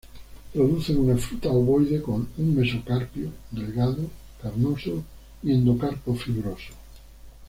Producen una fruta ovoide con un mesocarpio delgado, carnoso y endocarpo fibroso.